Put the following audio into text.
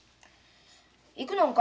行くのんか？